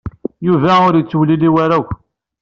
Yuba ur yettewliwil ara akk.